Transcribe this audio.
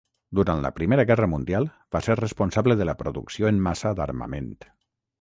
Durant la Primera Guerra Mundial, va ser responsable de la producció en massa d'armament.